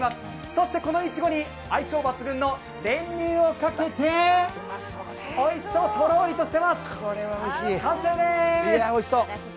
そして、このいちごに相性抜群の練乳をかけて、おいしそう、とろりとしてます、完成でーす！